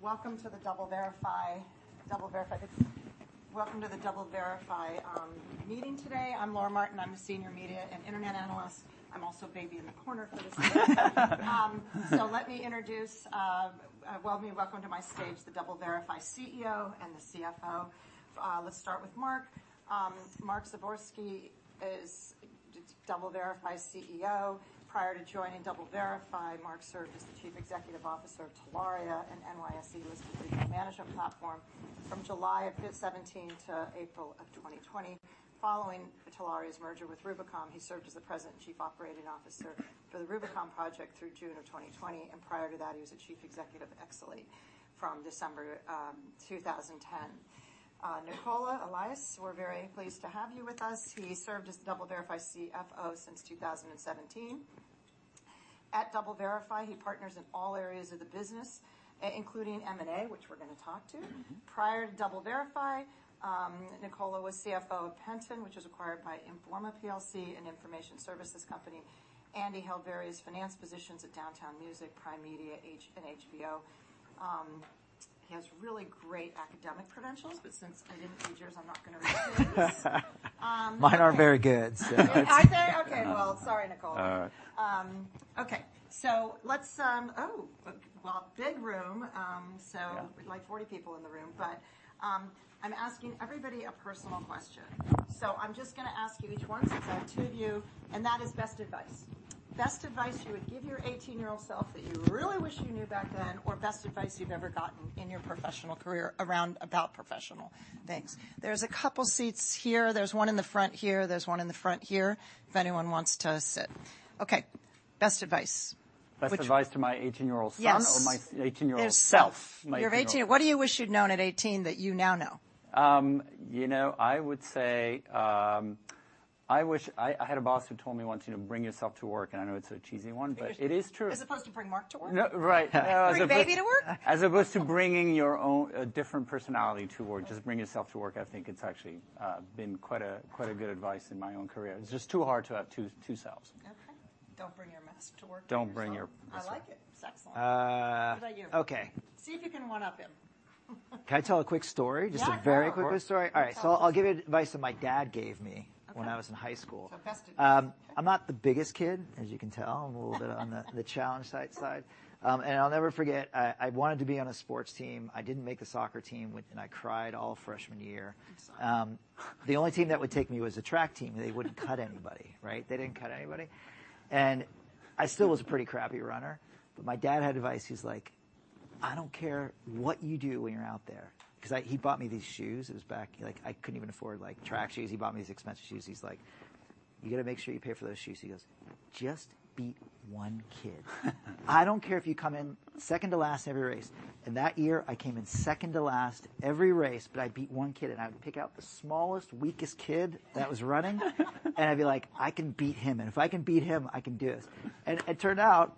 Welcome to the DoubleVerify meeting today. I'm Laura Martin. I'm a Senior Media and Internet Analyst. I'm also baby in the corner for this meeting. So let me introduce. Well, welcome to my stage, the DoubleVerify CEO and the CFO. Let's start with Mark. Mark Zagorski is DoubleVerify CEO. Prior to joining DoubleVerify, Mark served as the Chief Executive Officer of Telaria, an NYSE licensed retail management platform from July of 2017-April of 2020. Following Telaria's merger with Rubicon, he served as the President and Chief Operating Officer for the Rubicon Project through June of 2020, and prior to that he was the Chief Executive of eXelate from December 2010. Nicola Allais, we're very pleased to have you with us. He served as DoubleVerify CFO since 2017. At DoubleVerify, he partners in all areas of the business, including M&A, which we're gonna talk to. Mm-hmm. Prior to DoubleVerify, Nicola was CFO of Penton, which was acquired by Informa plc, an information services company, and he held various finance positions at Downtown Music, Primedia, and HBO. He has really great academic credentials, but since I didn't read yours, I'm not gonna read yours. Mine are very good, so. Are they? Okay. Well, sorry Nicola. All right. Okay. Let's. Oh, well, big room. Yeah. Like 40 people in the room. I'm asking everybody a personal question. I'm just gonna ask you each one since I have two of you, and that is best advice. Best advice you would give your 18-year-old self that you really wish you knew back then, or best advice you've ever gotten in your professional career about professional things. There's a couple seats here. There's one in the front here. There's one in the front here, if anyone wants to sit. Okay, best advice. Best advice to my 18-year-old son. Yes... or my 18-year-old self? Yourself. My 18-year-old... What do you wish you'd known at 18 that you now know? You know, I would say, I had a boss who told me once, you know, "Bring yourself to work." I know it's a cheesy one, but it is true. As opposed to bring Mark to work? No, right. No. Bring baby to work? As opposed to bringing your own, different personality to work, just bring yourself to work. I think it's actually, been quite a, quite a good advice in my own career. It's just too hard to have two selves. Okay. Don't bring your mess to work. Don't bring your mess to work. I like it. It's excellent. Uh... What about you? Okay. See if you can one-up him. Can I tell a quick story? Yeah. Just a very quick story? Tell us a story. All right. I'll give you advice that my dad gave me- Okay when I was in high school. Best advice. I'm not the biggest kid, as you can tell. I'm a little bit on the challenged side. I'll never forget, I wanted to be on a sports team. I didn't make the soccer team and I cried all freshman year. I'm sorry. The only team that would take me was the track team. They wouldn't cut anybody, right? They didn't cut anybody. I still was a pretty crappy runner. My dad had advice, he's like, "I don't care what you do when you're out there." He bought me these shoes, it was back... Like, I couldn't even afford, like, track shoes. He bought me these expensive shoes. He's like, "You gotta make sure you pay for those shoes." He goes, "Just beat one kid." "I don't care if you come in second to last in every race." That year I came in second to last every race, but I beat one kid, and I would pick out the smallest, weakest kid that was running. I'd be like, "I can beat him. If I can beat him, I can do this." It turned out,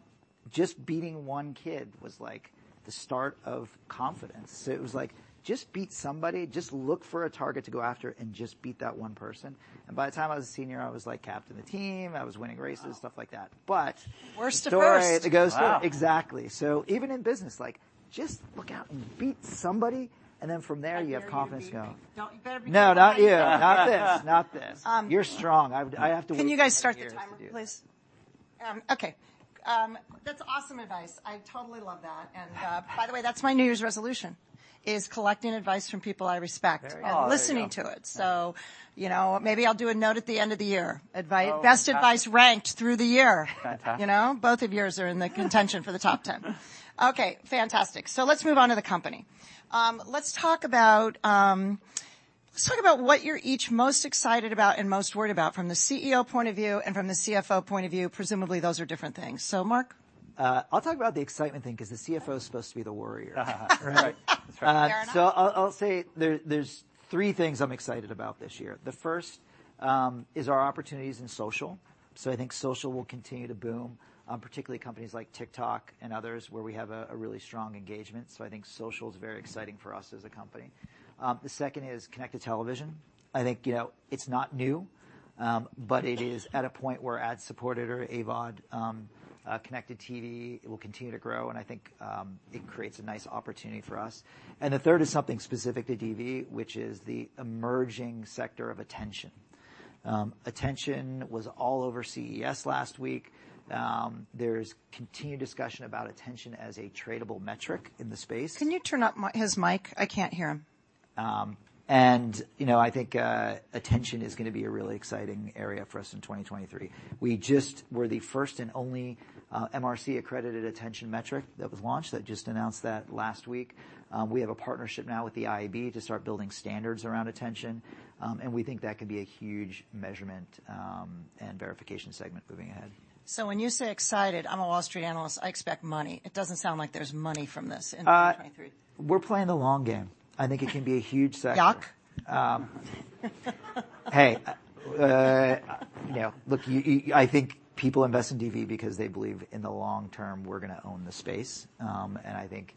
just beating one kid was, like, the start of confidence. It was like, just beat somebody. Just look for a target to go after and just beat that one person. By the time I was a senior, I was like captain of the team, I was winning races. Wow.... stuff like that. Worst to first. Story to go through. Exactly. Even in business, like, just look out and beat somebody, and then from there you have confidence going... I better beat you. You better be careful. No, not you. Not this. Not this. Um- You're strong. I have to work for years to do-. Can you guys start the timer please? Okay. That's awesome advice. I totally love that. By the way, that's my New Year's resolution, is collecting advice from people I respect. There we go. Listening to it. You know, maybe I'll do a note at the end of the year. Oh. Best advice ranked through the year. Fantastic. You know? Both of yours are in the contention for the top 10. Okay, fantastic. Let's move on to the company. Let's talk about what you're each most excited about and most worried about from the CEO point of view and from the CFO point of view. Presumably, those are different things. Mark? I'll talk about the excitement thing 'cause the CFO is supposed to be the worrier. Right. Fair enough. I'll say there's three things I'm excited about this year. The first is our opportunities in social. I think social will continue to boom, particularly companies like TikTok and others where we have a really strong engagement. I think social is very exciting for us as a company. The second is connected television. I think, you know, it's not new, but it is at a point where ad-supported or AVOD connected TV will continue to grow, and I think it creates a nice opportunity for us. The 3rd is something specific to DoubleVerify, which is the emerging sector of attention. Attention was all over CES last week. There's continued discussion about attention as a tradable metric in the space. Can you turn up his mic? I can't hear him. You know, I think attention is gonna be a really exciting area for us in 2023. We just were the first and only MRC accredited attention metric that was launched. That just announced that last week. We have a partnership now with the IAB to start building standards around attention. We think that could be a huge measurement and verification segment moving ahead. When you say excited, I'm a Wall Street analyst, I expect money. It doesn't sound like there's money from this in 2023. We're playing the long game. I think it can be a huge sector. Yuck. Hey, you know, look, I think people invest in DoubleVerify because they believe in the long term we're gonna own the space. I think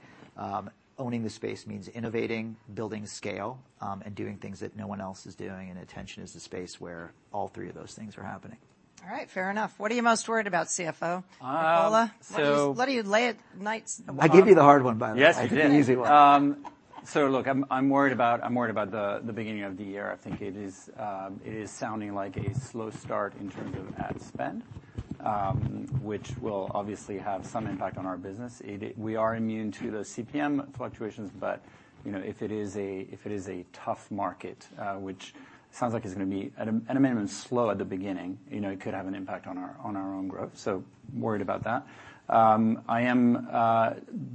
owning the space means innovating, building scale, and doing things that no one else is doing, and attention is the space where all three of those things are happening. All right. Fair enough. What are you most worried about, CFO? Nicola? Um, so- What do you lay at nights awake? I gave you the hard one, by the way. Yes, you did. I gave you the easy one. Look, I'm worried about the beginning of the year. I think it is, it is sounding like a slow start in terms of ad spend, which will obviously have some impact on our business. We are immune to those CPM fluctuations, but, you know, if it is a, if it is a tough market, which sounds like it's gonna be at a, at a minimum, slow at the beginning, you know, it could have an impact on our, on our own growth. Worried about that. I am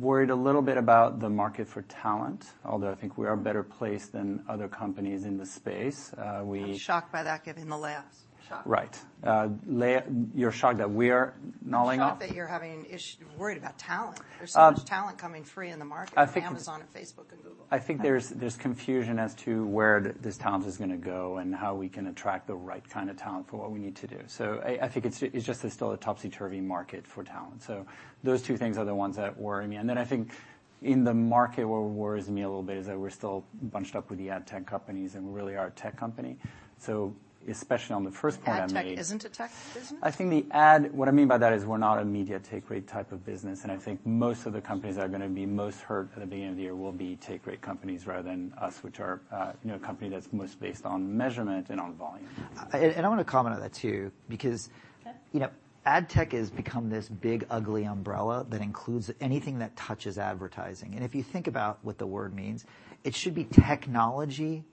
worried a little bit about the market for talent, although I think we are better placed than other companies in the space. We. I'm shocked by that given the layoffs. Shocked. Right. You're shocked that we're nulling up? I'm shocked that you're worried about talent. Um- There's so much talent coming free in the market. I think- -from Amazon and Facebook and Google. I think there's confusion as to where this talent is gonna go and how we can attract the right kind of talent for what we need to do. I think it's just there's still a topsy-turvy market for talent. Those two things are the ones that worry me. I think in the market what worries me a little bit is that we're still bunched up with the ad tech companies and we really are a tech company. Especially on the first part I made. Ad tech isn't a tech business? I think what I mean by that is we're not a media take rate type of business. I think most of the companies that are gonna be most hurt at the beginning of the year will be take rate companies rather than us, which are, you know, a company that's most based on measurement and on volume. I wanna comment on that too. Sure You know, ad tech has become this big ugly umbrella that includes anything that touches advertising. If you think about what the word means, it should be technology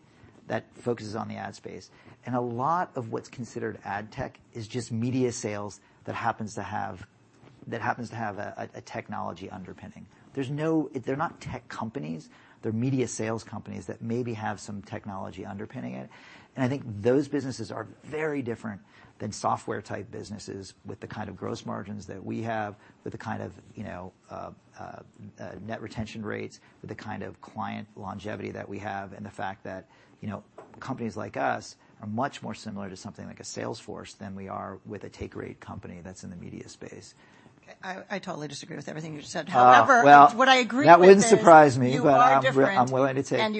that focuses on the ad space. A lot of what's considered ad tech is just media sales that happens to have a technology underpinning. They're not tech companies. They're media sales companies that maybe have some technology underpinning it. I think those businesses are very different than software type businesses with the kind of gross margins that we have, with the kind of, you know, net retention rates, with the kind of client longevity that we have, and the fact that, you know, companies like us are much more similar to something like a Salesforce than we are with a take rate company that's in the media space. I totally disagree with everything you just said. Oh, well- However, what I agree with is. That wouldn't surprise me. You are different. I'm willing to take you on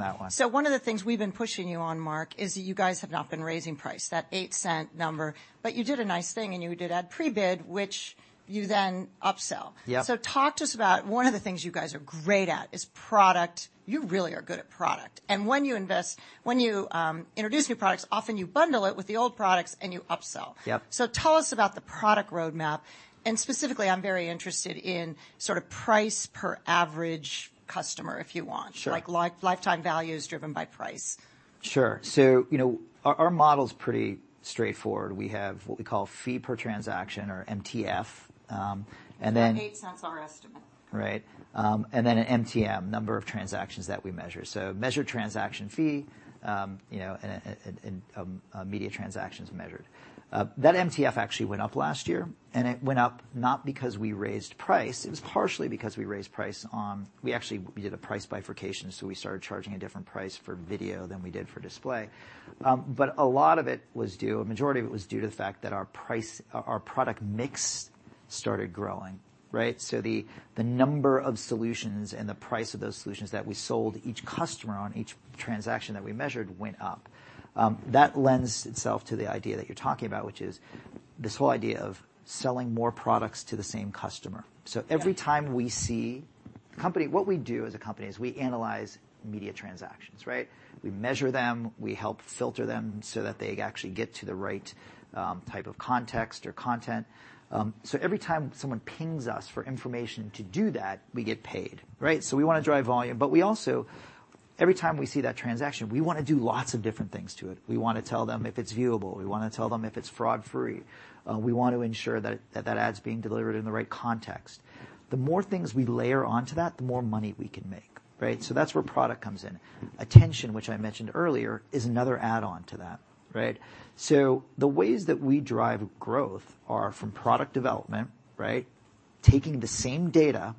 that one. You are. One of the things we've been pushing you on, Mark, is that you guys have not been raising price, that $0.08 number. You did a nice thing and you did add pre-bid, which you then upsell. Yep. Talk to us about one of the things you guys are great at is product. You really are good at product. When you introduce new products, often you bundle it with the old products and you upsell. Yep. Tell us about the product roadmap, and specifically I'm very interested in sort of price per average customer, if you want. Sure. Like lifetime value is driven by price. Sure. you know, our model's pretty straightforward. We have what we call fee per transaction or MTF. $0.08 our estimate. Right. Then an MTM, number of transactions that we measure. Measured Transaction Fee, you know, media transactions measured. That MTF actually went up last year, it went up not because we raised price. It was partially because we raised price. We actually, we did a price bifurcation, so we started charging a different price for video than we did for display. A lot of it was due, a majority of it was due to the fact that our price, our product mix started growing, right? The number of solutions and the price of those solutions that we sold each customer on each transaction that we measured went up. That lends itself to the idea that you're talking about, which is this whole idea of selling more products to the same customer. Yeah. What we do as a company is we analyze media transactions, right? We measure them, we help filter them so that they actually get to the right type of context or content. Every time someone pings us for information to do that, we get paid, right? We wanna drive volume, but we also, every time we see that transaction, we wanna do lots of different things to it. We wanna tell them if it's viewable. We wanna tell them if it's fraud free. We want to ensure that that ad's being delivered in the right context. The more things we layer onto that, the more money we can make, right? That's where product comes in. Attention, which I mentioned earlier, is another add-on to that, right? The ways that we drive growth are from product development, right? Taking the same data,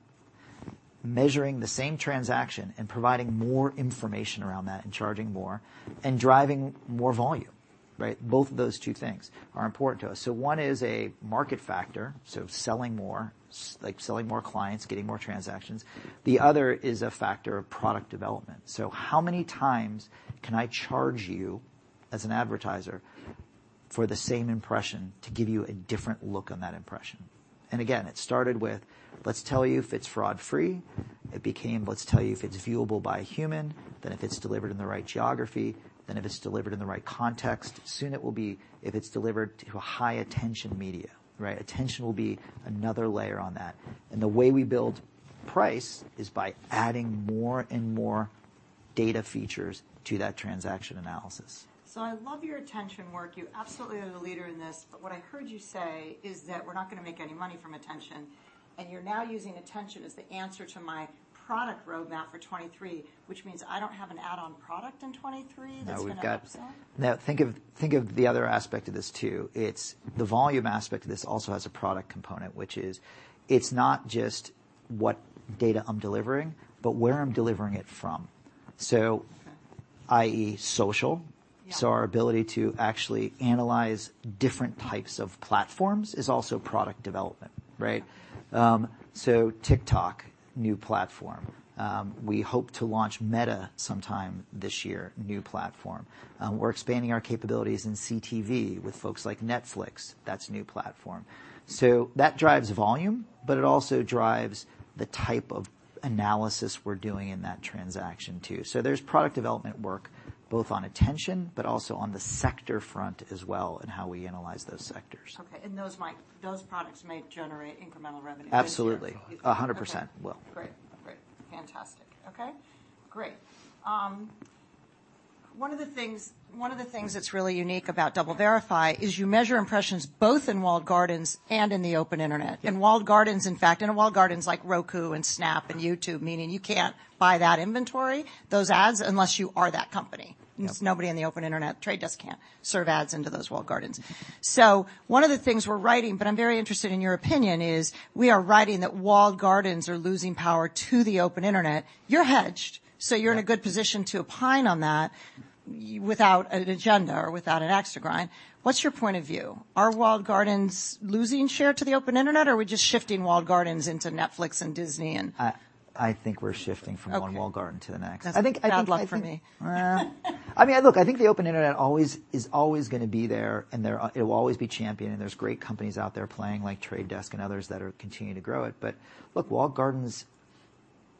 measuring the same transaction, and providing more information around that and charging more, and driving more volume, right? Both of those two things are important to us. One is a market factor, selling more, selling more clients, getting more transactions. The other is a factor of product development. How many times can I charge you as an advertiser for the same impression to give you a different look on that impression? Again, it started with, let's tell you if it's fraud-free. It became, let's tell you if it's viewable by a human, then if it's delivered in the right geography, then if it's delivered in the right context. Soon it will be if it's delivered to a high-attention media, right? Attention will be another layer on that. The way we build price is by adding more and more data features to that transaction analysis. I love your attention work. You absolutely are the leader in this. What I heard you say is that we're not gonna make any money from attention, and you're now using attention as the answer to my product roadmap for 2023, which means I don't have an add-on product in 2023 that's gonna upsell? Now think of the other aspect of this too. It's the volume aspect of this also has a product component, which is it's not just what data I'm delivering, but where I'm delivering it from. I.e., social. Yeah. Our ability to actually analyze different types of platforms is also product development, right? TikTok, new platform. We hope to launch Meta sometime this year, new platform. We're expanding our capabilities in CTV with folks like Netflix. That's new platform. That drives volume, but it also drives the type of analysis we're doing in that transaction too. There's product development work both on attention but also on the sector front as well in how we analyze those sectors. Okay, those products might generate incremental revenue this year. Absolutely. A 100% will. Okay. Great. Fantastic. Okay, great. One of the things that's really unique about DoubleVerify is you measure impressions both in walled gardens and in the open internet. Yeah. In walled gardens, in fact, in walled gardens like Roku and Snap and YouTube, meaning you can't buy that inventory, those ads, unless you are that company. Yep. Nobody in the open internet The Trade Desk can serve ads into those walled gardens. One of the things we're writing, but I'm very interested in your opinion, is we are writing that walled gardens are losing power to the open internet. You're hedged, you're in a good position to opine on that without an agenda or without an axe to grind. What's your point of view? Are walled gardens losing share to the open internet, or are we just shifting walled gardens into Netflix and Disney and... I think we're shifting from one walled garden to the next. Okay. That's bad luck for me. I think I mean, look, I think the open internet is always gonna be there, it will always be championed, and there's great companies out there playing like The Trade Desk and others that are continuing to grow it. Look, walled gardens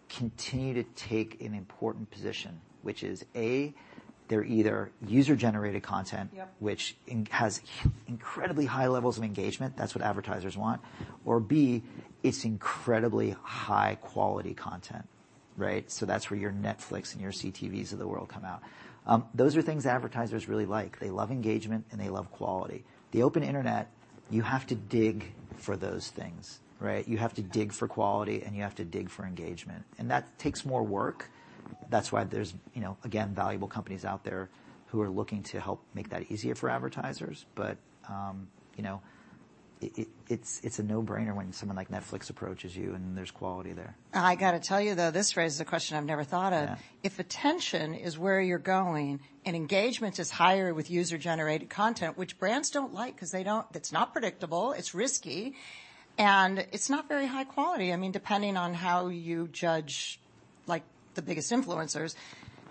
continue to take an important position, which is, A, they're either user-generated content- Yep which has incredibly high levels of engagement. That's what advertisers want. B, it's incredibly high-quality content, right? That's where your Netflix and your CTVs of the world come out. Those are things advertisers really like. They love engagement, and they love quality. The open internet, you have to dig for those things, right? You have to dig for quality, and you have to dig for engagement. That takes more work. That's why there's, you know, again, valuable companies out there who are looking to help make that easier for advertisers. You know, it's a no-brainer when someone like Netflix approaches you and there's quality there. I gotta tell you, though, this raises a question I've never thought of. Yeah. If attention is where you're going and engagement is higher with user-generated content, which brands don't like 'cause they don't it's not predictable, it's risky, and it's not very high quality. I mean, depending on how you judge, like, the biggest influencers,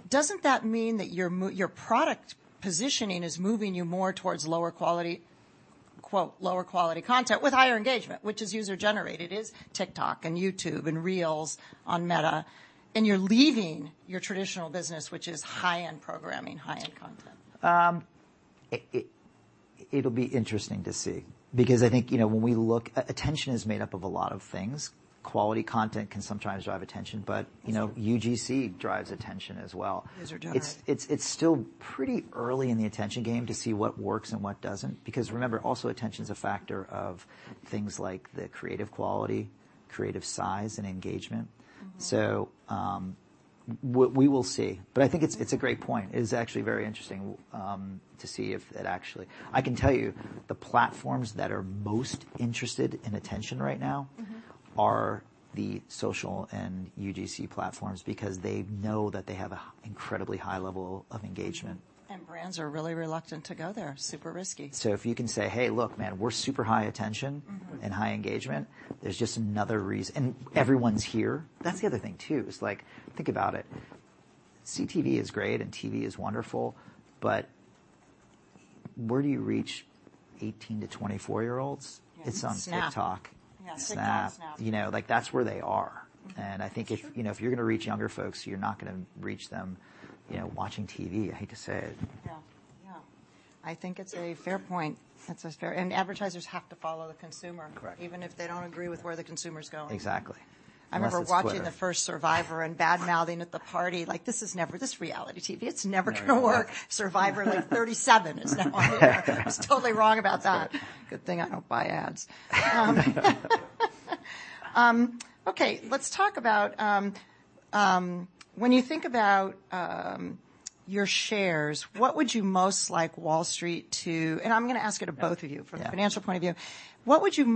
doesn't that mean that your product positioning is moving you more towards lower quality, quote, "lower quality content" with higher engagement, which is user-generated? It is TikTok and YouTube and Reels on Meta. You're leaving your traditional business, which is high-end programming, high-end content. It'll be interesting to see because I think, you know, when we look. Attention is made up of a lot of things. Quality content can sometimes drive attention, but, you know, UGC drives attention as well. User-generated. It's still pretty early in the attention game to see what works and what doesn't because remember also attention's a factor of things like the creative quality, creative size and engagement. Mm-hmm. we will see, but I think it's a great point. It is actually very interesting to see if it actually... I can tell you, the platforms that are most interested in attention right now... Mm-hmm are the social and UGC platforms because they know that they have a incredibly high level of engagement. Mm-hmm. Brands are really reluctant to go there. Super risky. if you can say, "Hey, look, man, we're super high attention- Mm-hmm... and high engagement," there's just another reason. Everyone's here. That's the other thing too is, like, think about it. CTV is great, and TV is wonderful, but where do you reach 18-24 year-olds? Yeah. Snap. It's on TikTok. Yeah. Snap. TikTok, Snap. You know, like, that's where they are. Mm-hmm. I think. It's true.... you know, if you're gonna reach younger folks, you're not gonna reach them, you know, watching TV, I hate to say it. Yeah. Yeah. I think it's a fair point. That's a fair... advertisers have to follow the consumer- Correct... even if they don't agree with where the consumer's going. Exactly. Unless it's X. I remember watching the first Survivor and bad-mouthing at the party, like, "This reality TV, it's never gonna work. Never gonna work. Survivor, like, 37 is now on the air. I was totally wrong about that. That's good. Good thing I don't buy ads. Okay, let's talk about, when you think about, your shares, what would you most like Wall Street to... I'm gonna ask it of both of you... Yeah... from a financial point of view. What do you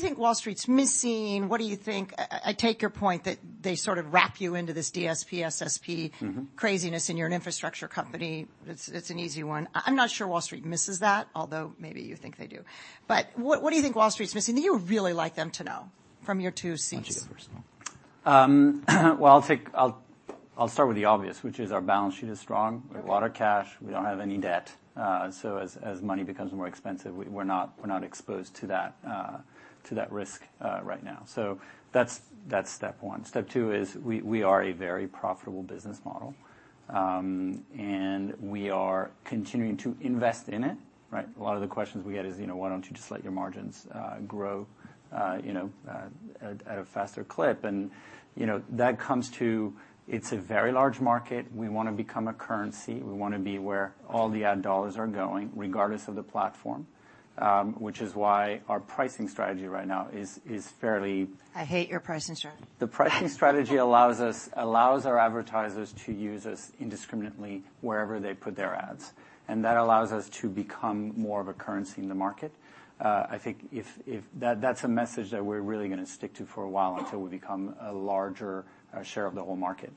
think Wall Street's missing? What do you think... I take your point that they sort of wrap you into this DSP, SSP- Mm-hmm... craziness, and you're an infrastructure company. It's, it's an easy one. I'm not sure Wall Street misses that, although maybe you think they do. What do you think Wall Street's missing that you would really like them to know from your two seats? Why don't you go first. I'll start with the obvious, which is our balance sheet is strong. Mm-hmm. We have a lot of cash. We don't have any debt. As money becomes more expensive, we're not exposed to that risk right now. That's step one. Step two is we are a very profitable business model. We are continuing to invest in it, right? A lot of the questions we get is, you know, "Why don't you just let your margins grow, you know, at a faster clip?" You know, that comes to it's a very large market. We wanna become a currency. We wanna be where all the ad dollars are going, regardless of the platform, which is why our pricing strategy right now is fairly- I hate your pricing strategy. The pricing strategy allows our advertisers to use us indiscriminately wherever they put their ads. That allows us to become more of a currency in the market. I think That's a message that we're really gonna stick to for a while until we become a larger share of the whole market.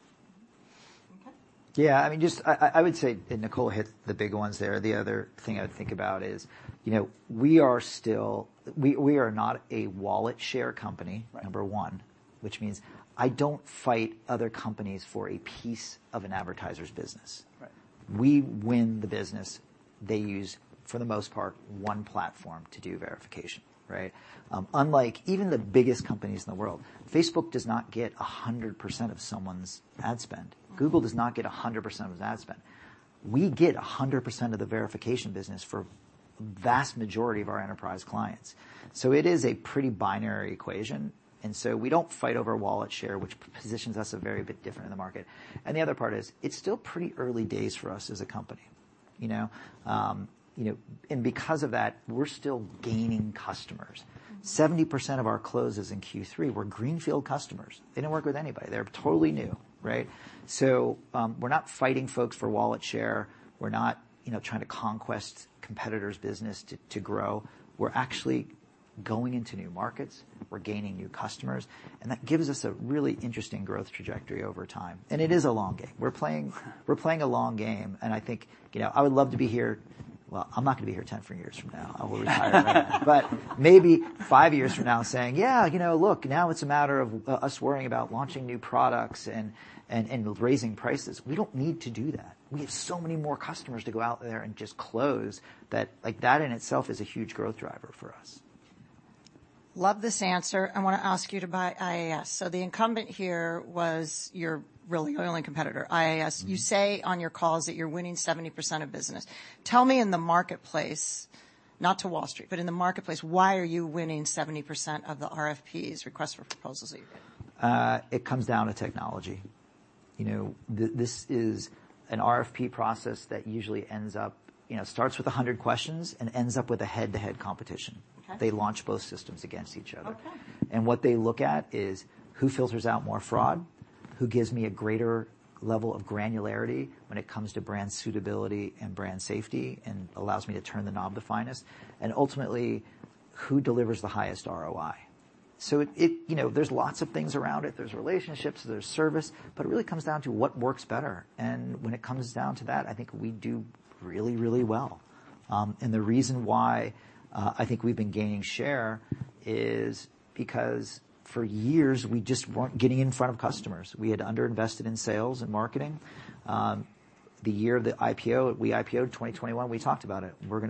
Yeah, I mean, just I would say. Nicola hit the big ones there. The other thing I would think about is, you know, we are still we are not a wallet share company. Right. Number one, which means I don't fight other companies for a piece of an advertiser's business. Right. We win the business. They use, for the most part, one platform to do verification, right? Unlike even the biggest companies in the world, Facebook does not get 100% of someone's ad spend. Google does not get 100% of ad spend. We get 100% of the verification business for vast majority of our enterprise clients. It is a pretty binary equation, and so we don't fight over wallet share, which positions us a very bit different in the market. The other part is, it's still pretty early days for us as a company, you know? You know, and because of that, we're still gaining customers. 70% of our closes in Q3 were greenfield customers. They don't work with anybody. They're totally new, right? We're not fighting folks for wallet share. We're not, you know, trying to conquest competitors' business to grow. We're actually going into new markets. We're gaining new customers, and that gives us a really interesting growth trajectory over time. It is a long game. We're playing a long game, I think, you know, I would love to be here. Well, I'm not going to be here 10, four years from now. I will retire. Maybe five years from now saying, "Yeah, you know, look, now it's a matter of us worrying about launching new products and raising prices." We don't need to do that. We have so many more customers to go out there and just close that, like, that in itself is a huge growth driver for us. Love this answer. I wanna ask you to buy IAS. The incumbent here was your really only competitor, IAS. Mm-hmm. You say on your calls that you're winning 70% of business. Tell me in the marketplace, not to Wall Street, but in the marketplace, why are you winning 70% of the RFPs, requests for proposals that you're getting? It comes down to technology. You know, this is an RFP process that usually ends up, you know, starts with 100 questions and ends up with a head-to-head competition. Okay. They launch both systems against each other. Okay. What they look at is who filters out more fraud, who gives me a greater level of granularity when it comes to brand suitability and brand safety, and allows me to turn the knob the finest, and ultimately, who delivers the highest ROI. It, you know, there's lots of things around it. There's relationships, there's service, but it really comes down to what works better. When it comes down to that, I think we do really, really well. The reason why I think we've been gaining share is because for years we just weren't getting in front of customers. We had underinvested in sales and marketing. The year of the IPO, we IPO'd in 2021, we talked about it. We're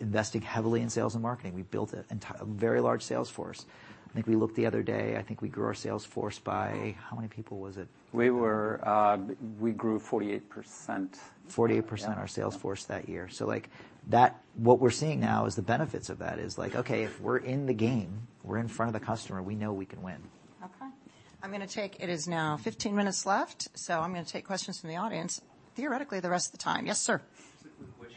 investing heavily in sales and marketing. We built a very large sales force. I think we looked the other day, I think we grew our sales force by how many people was it? We grew 48%. 48%. Yeah. our sales force that year. like, what we're seeing now is the benefits of that is like, okay, if we're in the game, we're in front of the customer, we know we can win. Okay. It is now 15 minutes left. I'm gonna take questions from the audience, theoretically, the rest of the time. Yes, sir. A quick question.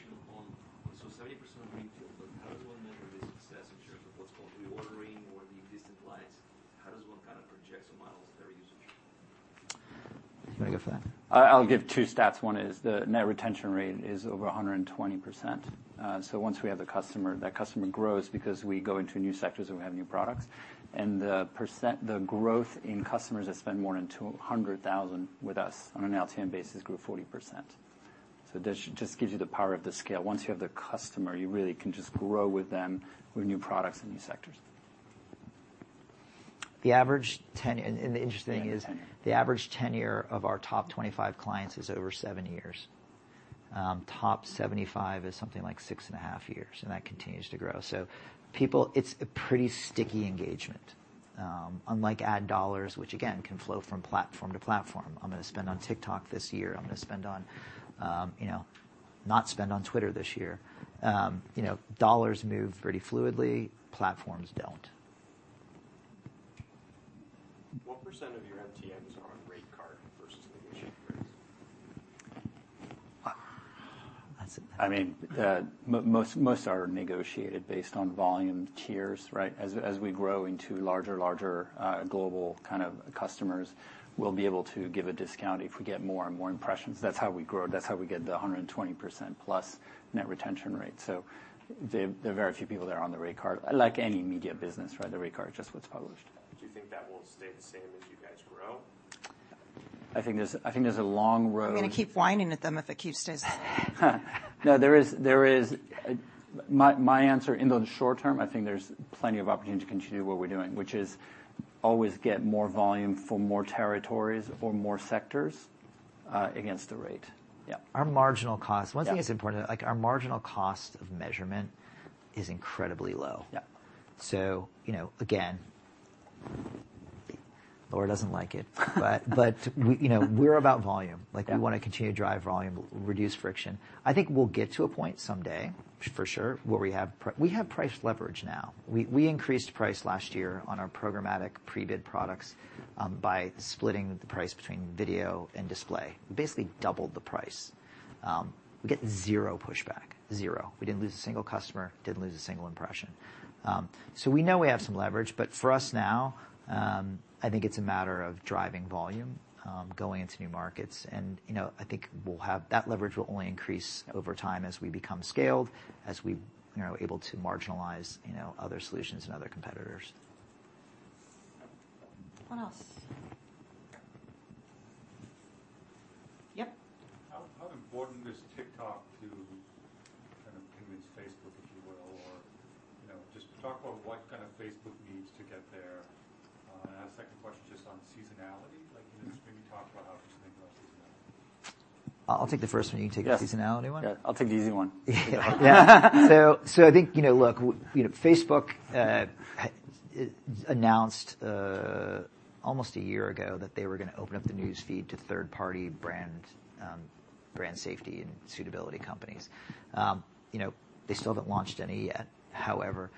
70% of greenfield, but how does one measure the success in terms of what's called reordering or the existing clients? How does one kind of project the models that are using? You wanna go for that? I'll give two stats. One is the net retention rate is over 120%. Once we have the customer, that customer grows because we go into new sectors and we have new products. The growth in customers that spend more than $200,000 with us on an LTM basis grew 40%. This just gives you the power of the scale. Once you have the customer, you really can just grow with them with new products in new sectors. The average tenure, and the interesting thing is... Tenure The average tenure of our top 25 clients is over seven years. Top 75 is something like six and a half years, and that continues to grow. People, it's a pretty sticky engagement, unlike ad dollars, which again can flow from platform to platform. I'm gonna spend on TikTok this year. I'm gonna spend on, you know, not spend on X this year. You know, dollars move pretty fluidly, platforms don't. What percent of your LTMs are on rate card versus negotiated rates? That's a- I mean, most are negotiated based on volume tiers, right? As we grow into larger, global kind of customers, we'll be able to give a discount if we get more and more impressions. That's how we grow. That's how we get the 120% plus net retention rate. The very few people that are on the rate card, like any media business, right? The rate card is just what's published. Do you think that will stay the same as you guys grow? I think there's a long road- We're gonna keep whining at them if it keeps staying the same. No, My answer in the short term, I think there's plenty of opportunity to continue what we're doing, which is always get more volume for more territories or more sectors against the rate. Yeah. Our marginal cost- Yeah. One thing that's important, like our marginal cost of measurement is incredibly low. Yeah. You know, again, Laura doesn't like it. We, you know, we're about volume. Yeah. Like we wanna continue to drive volume, reduce friction. I think we'll get to a point someday, for sure, where we have price leverage now. We increased price last year on our programmatic pre-bid products by splitting the price between video and display. Basically doubled the price. We get zero pushback. Zero. We didn't lose a single customer, didn't lose a single impression. We know we have some leverage, but for us now, I think it's a matter of driving volume, going into new markets and, you know, I think we'll have that leverage will only increase over time as we become scaled, as we, you know, able to marginalize, you know, other solutions and other competitors. What else? Yep. How important is TikTok to kind of convince Facebook, if you will, or, you know, just talk about what kind of Facebook needs to get there? I have a second question just on seasonality. Like, you know, just maybe talk about how to think about seasonality? I'll take the first one. You take the seasonality one. Yes. Yeah, I'll take the easy one. Yeah. I think, you know, look, you know, Facebook announced almost a year ago that they were gonna open up the news feed to third-party brand brand safety and suitability companies. You know, they still haven't launched any yet. However,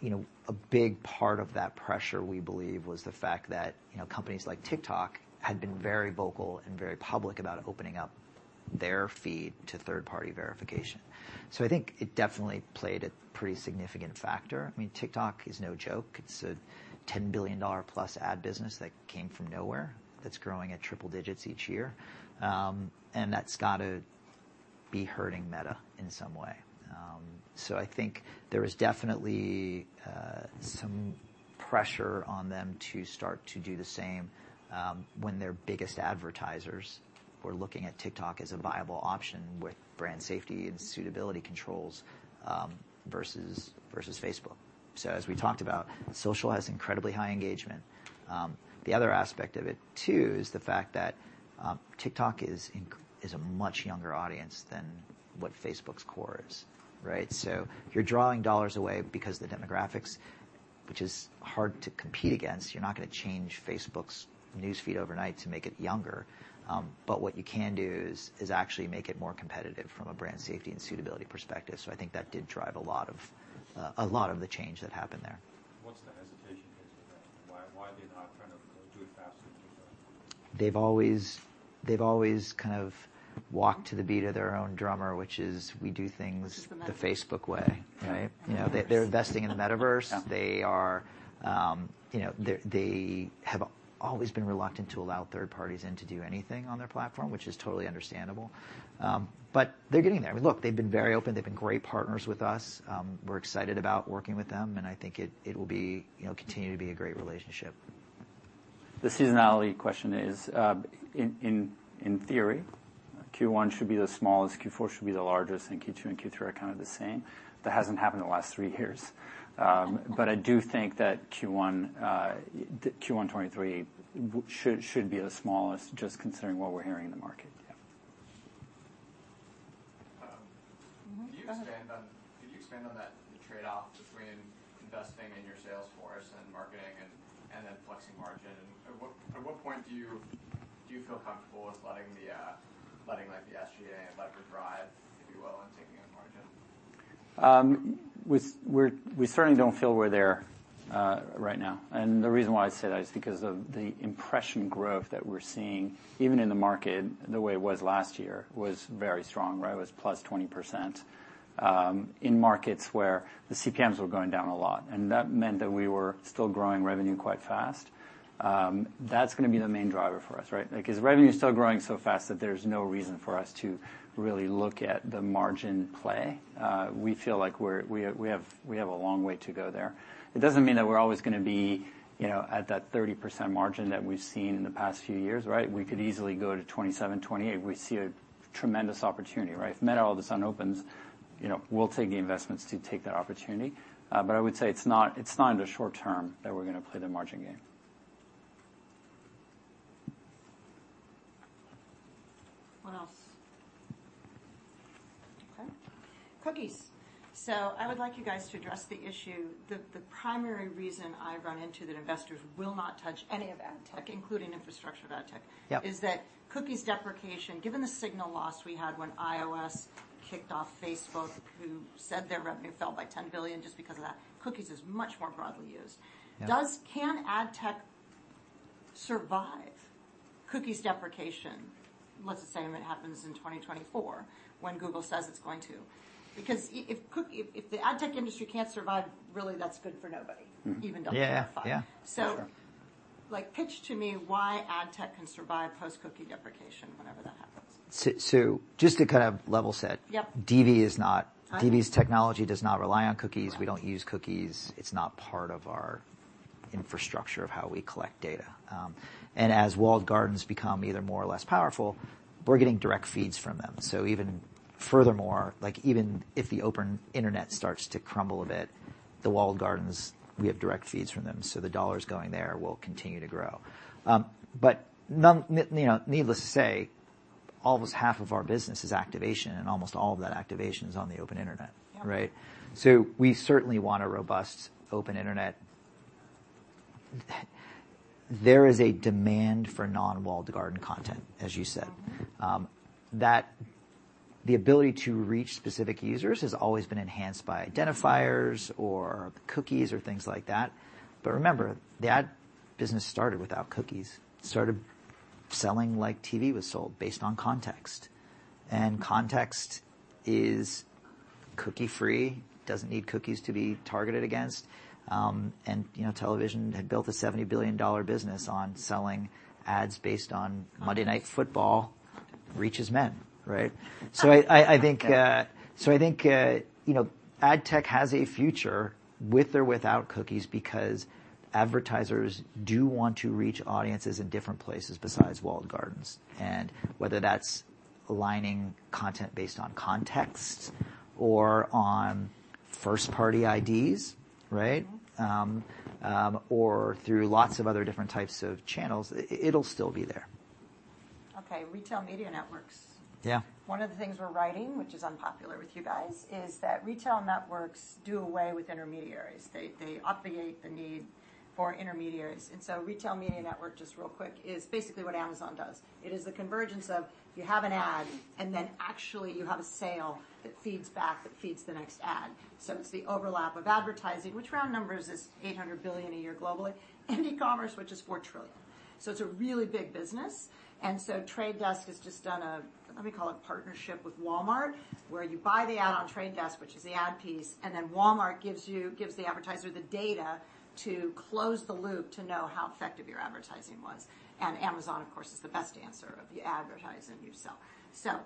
you know, a big part of that pressure, we believe, was the fact that, you know, companies like TikTok had been very vocal and very public about opening up their feed to third-party verification. I think it definitely played a pretty significant factor. I mean, TikTok is no joke. It's a $10 billion-plus ad business that came from nowhere that's growing at triple digits each year. And that's gotta be hurting Meta in some way. I think there is definitely some pressure on them to start to do the same, when their biggest advertisers were looking at TikTok as a viable option with brand safety and suitability controls, versus Facebook. As we talked about, social has incredibly high engagement. The other aspect of it too is the fact that TikTok is a much younger audience than what Facebook's core is, right? You're drawing dollars away because the demographics, which is hard to compete against. You're not gonna change Facebook's news feed overnight to make it younger. But what you can do is actually make it more competitive from a brand safety and suitability perspective. I think that did drive a lot of the change that happened there. What's the hesitation to that? Why are they not trying to do it faster than TikTok? They've always kind of walked to the beat of their own drummer, which is we do things. Which is the Metaverse?... the Facebook way, right? You know, they're investing in the Metaverse. Yeah. They are, you know, they have always been reluctant to allow third parties in to do anything on their platform, which is totally understandable. They're getting there. I mean, look, they've been very open. They've been great partners with us. We're excited about working with them. I think it will be, you know, continue to be a great relationship. The seasonality question is in theory, Q1 should be the smallest, Q4 should be the largest, and Q2 and Q3 are kind of the same. That hasn't happened in the last three years. I do think that Q1 2023 should be the smallest, just considering what we're hearing in the market. Yeah. Um- Mm-hmm. Could you expand on that trade-off between investing in your sales force and marketing and then flexing margin? At what point do you feel comfortable with letting like the SG&A and lever drive, if you will, and taking in margin? We certainly don't feel we're there right now. The reason why I say that is because of the impression growth that we're seeing, even in the market, the way it was last year, was very strong, right? It was +20% in markets where the CPMs were going down a lot, and that meant that we were still growing revenue quite fast. That's gonna be the main driver for us, right? Because revenue is still growing so fast that there's no reason for us to really look at the margin play. We feel like we have a long way to go there. It doesn't mean that we're always gonna be, you know, at that 30% margin that we've seen in the past few years, right? We could easily go to 27%, 28%. We see a tremendous opportunity, right? If Meta all of a sudden opens, you know, we'll take the investments to take that opportunity. I would say it's not, it's not in the short term that we're gonna play the margin game. What else? Okay. Cookies. I would like you guys to address the issue, the primary reason I run into that investors will not touch any of ad tech, including infrastructure of ad tech. Yep Is that cookies deprecation, given the signal loss we had when iOS kicked off Facebook, who said their revenue fell by $10 billion just because of that, cookies is much more broadly used. Yeah. Can ad tech survive cookies deprecation? Let's just say if it happens in 2024 when Google says it's going to. If the ad tech industry can't survive, really that's good for nobody. Mm-hmm even. Yeah. Yeah. Like, pitch to me why ad tech can survive post-cookie deprecation whenever that happens. just to kind of level set. Yep. DoubleVerify is not- Uh-huh. DoubleVerify's technology does not rely on cookies. Right. We don't use cookies. It's not part of our infrastructure of how we collect data. As walled gardens become either more or less powerful, we're getting direct feeds from them. Even furthermore, like, even if the open internet starts to crumble a bit, the walled gardens, we have direct feeds from them, so the dollar going there will continue to grow. You know, needless to say, almost half of our business is activation, and almost all of that activation is on the open internet, right? Yeah. We certainly want a robust open internet. There is a demand for non-walled garden content, as you said. Mm-hmm. The ability to reach specific users has always been enhanced by identifiers or cookies or things like that. Remember, the ad business started without cookies. It started selling like TV was sold, based on context. Context is cookie-free, doesn't need cookies to be targeted against. You know, television had built a $70 billion business on selling ads based on Monday Night Football reaches men, right? I think, you know, ad tech has a future with or without cookies because advertisers do want to reach audiences in different places besides walled gardens. Whether that's aligning content based on context or on first party IDs, right? Or through lots of other different types of channels, it'll still be there. Okay. retail media networks. Yeah. One of the things we're writing, which is unpopular with you guys, is that retail media networks do away with intermediaries. They obviate the need for intermediaries. Retail media network, just real quick, is basically what Amazon does. It is the convergence of you have an ad, and then actually you have a sale that feeds back, that feeds the next ad. It's the overlap of advertising, which round numbers is $800 billion a year globally, and e-commerce, which is $4 trillion. It's a really big business. The Trade Desk has just done a, let me call it partnership with Walmart, where you buy the ad on The Trade Desk, which is the ad piece, and then Walmart gives the advertiser the data to close the loop to know how effective your advertising was. Amazon, of course, is the best answer if you advertise and you sell. Mm-hmm.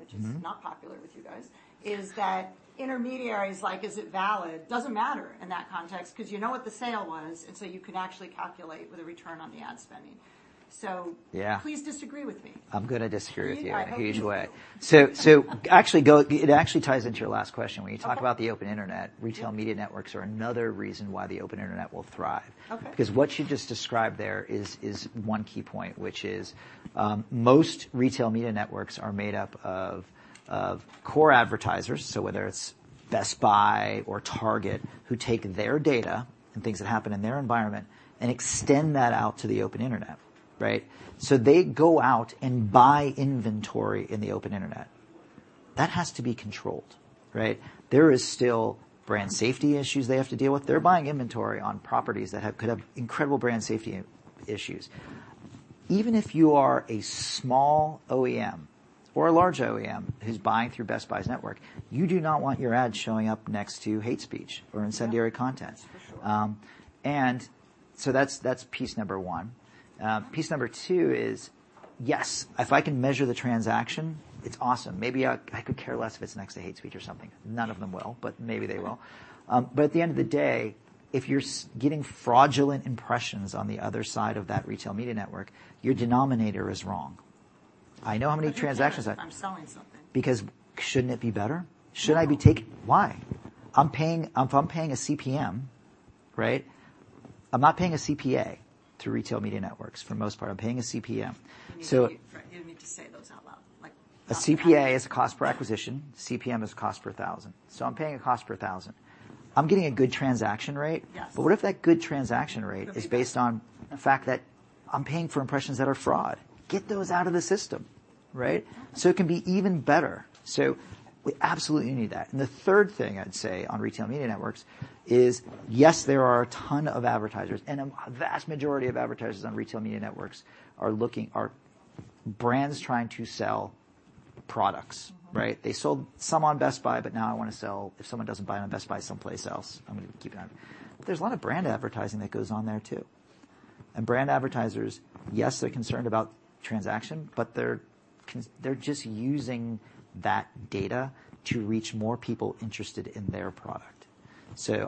Which is not popular with you guys, is that intermediaries like IAS doesn't matter in that context 'cause you know what the sale was, and so you can actually calculate with a return on the ad spending. Yeah. Please disagree with me. I'm gonna disagree with you in a huge way. Please. I hope you do. It actually ties into your last question. Okay. When you talk about the open internet, retail media networks are another reason why the open internet will thrive. Okay. What you just described there is one key point which is most retail media networks are made up of core advertisers, so whether it's Best Buy or Target, who take their data and things that happen in their environment and extend that out to the open internet, right? They go out and buy inventory in the open internet. That has to be controlled, right? There is still brand safety issues they have to deal with. They're buying inventory on properties that could have incredible brand safety issues. Even if you are a small OEM or a large OEM who's buying through Best Buy's network, you do not want your ad showing up next to hate speech or incendiary content. Yeah, for sure. That's, that's piece number one. Piece number two is, yes, if I can measure the transaction, it's awesome. Maybe I could care less if it's next to hate speech or something. None of them will, but maybe they will. At the end of the day, if you're getting fraudulent impressions on the other side of that retail media network, your denominator is wrong. I know how many transactions. You care if I'm selling something. Shouldn't it be better? Why? I'm paying, if I'm paying a CPM, right, I'm not paying a CPA through retail media networks for the most part. I'm paying a CPM. You need to say those out loud. Like- A CPA is a cost per acquisition. CPM is cost per thousand. I'm paying a cost per thousand. I'm getting a good transaction rate. Yes. What if that good transaction rate is based on the fact that I'm paying for impressions that are fraud? Get those out of the system, right? It can be even better. We absolutely need that. The third thing I'd say on retail media networks is, yes, there are a ton of advertisers, and a vast majority of advertisers on retail media networks are brands trying to sell products, right? Mm-hmm. They sold some on Best Buy. Now I wanna sell if someone doesn't buy it on Best Buy someplace else, I'm gonna keep going. There's a lot of brand advertising that goes on there too. Brand advertisers, yes, they're concerned about transaction, but they're just using that data to reach more people interested in their product.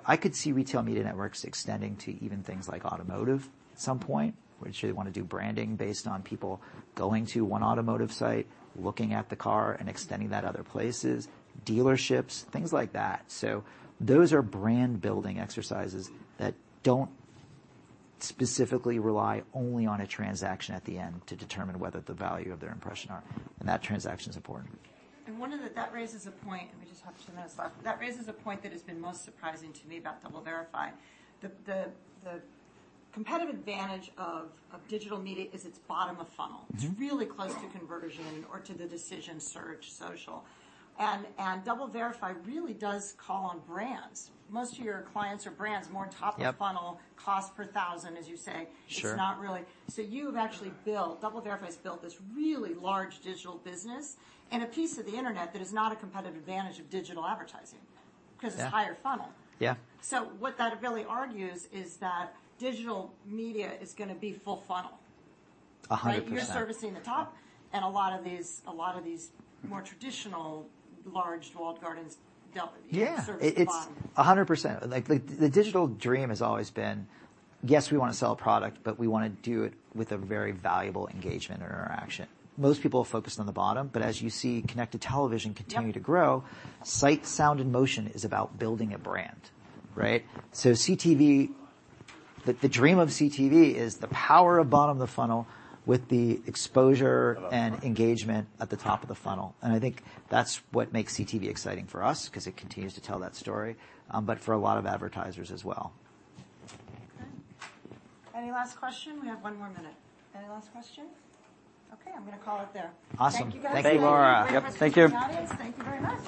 I could see retail media networks extending to even things like automotive at some point, which they wanna do branding based on people going to one automotive site, looking at the car, and extending that other places, dealerships, things like that. Those are brand-building exercises that don't specifically rely only on a transaction at the end to determine whether the value of their impression and that transaction is important. That raises a point, and we just have two minutes left. That raises a point that has been most surprising to me about DoubleVerify. The competitive advantage of digital media is its bottom of funnel. Mm-hmm. It's really close to conversion or to the decision search social. DoubleVerify really does call on brands. Most of your clients are brands, more top of- Yep. funnel, cost per thousand, as you say. Sure. It's not really. You've actually built, DoubleVerify has built this really large digital business and a piece of the internet that is not a competitive advantage of digital advertising. Yeah. 'cause it's higher funnel. Yeah. What that really argues is that digital media is gonna be full funnel. A 100%. You're servicing the top and a lot of these more traditional large walled gardens don't... Yeah. service the bottom. It's 100%. Like, the digital dream has always been, yes, we wanna sell a product, but we wanna do it with a very valuable engagement or interaction. Most people are focused on the bottom, but as you see connected television continue- Yep. to grow, sight, sound, and motion is about building a brand, right? CTV, the dream of CTV is the power of bottom of the funnel with the exposure and engagement at the top of the funnel. I think that's what makes CTV exciting for us cause it continues to tell that story, but for a lot of advertisers as well. Okay. Any last question? We have one more minute. Any last question? I'm gonna call it there. Awesome. Thank you, guys. Thanks, Laura. Yep. Thank you. Thank you very much.